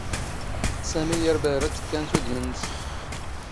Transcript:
ⵙⴰⵎⵉ ⴰⵔ ⴱⴰⵀⵔⴰ ⵜⵜⴽⴽⴰⵏⵜ ⵓⴷⵎ ⵏⵏⵙ.